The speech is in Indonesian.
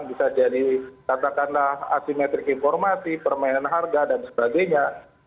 bisa jadi katakanlah asimetrik informasi permainan harga dan sebagainya